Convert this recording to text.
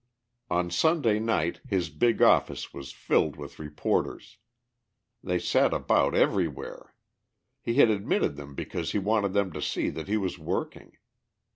On Sunday night his big office was filled with reporters. They sat about everywhere. He had admitted them because he wanted them to see that he was working.